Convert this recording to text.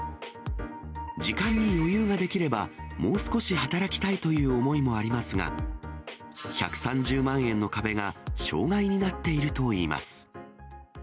時間に余裕が出来れば、もう少し働きたいという思いもありますが、１３０万円の壁が障害になっているといいます。